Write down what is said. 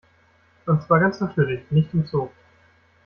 Und zwar ganz natürlich, nicht im Zoo.